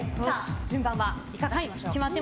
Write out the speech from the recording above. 順番はいかがしましょうか。